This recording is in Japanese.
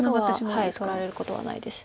黒は取られることはないです。